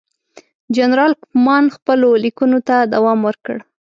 جنرال کوفمان خپلو لیکونو ته دوام ورکړ.